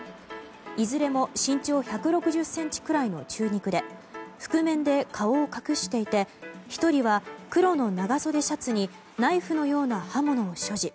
いずれも身長１６０ｃｍくらいの中肉で覆面で顔を隠していて１人は黒の長袖シャツにナイフのような刃物を所持。